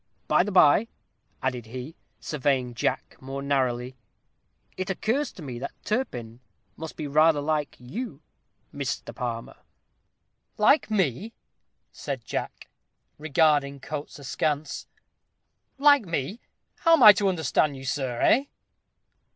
By the by," added he, surveying Jack more narrowly, "it occurs to me that Turpin must be rather like you, Mr. Palmer?" "Like me," said Jack, regarding Coates askance; "like me how am I to understand you, sir, eh?"